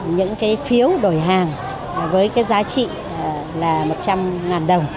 những phiếu đổi hàng với giá trị một trăm linh đồng